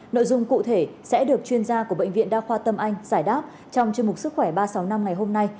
nội dung cụ thể sẽ được chuyên gia của bệnh viện đa khoa tâm anh giải đáp trong chương mục sức khỏe ba trăm sáu mươi năm ngày hôm nay